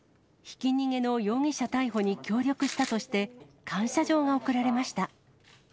ひき逃げの容疑者逮捕に協力したとして、感謝状が贈られました。